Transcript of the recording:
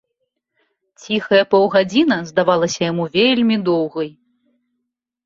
Ціхая паўгадзіна здавалася яму вельмі доўгай.